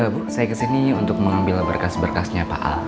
bu saya kesini untuk mengambil berkas berkasnya pak